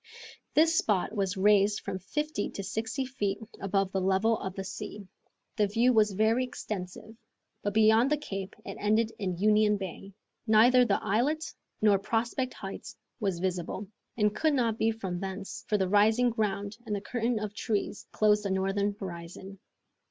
This spot was raised from fifty to sixty feet above the level of the sea. The view was very extensive, but beyond the cape it ended in Union Bay. Neither the islet nor Prospect Heights was visible, and could not be from thence, for the rising ground and the curtain of trees closed the northern horizon.